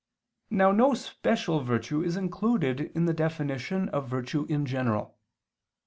Now no special virtue is included in the definition of virtue in general.